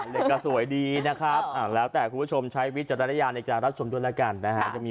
เล็กก็สวยดีนะครับแล้วแต่คุณผู้ชมใช้วิจารณญาณในการรับชมด้วยแล้วกันนะฮะ